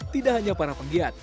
tidak hanya para pegiat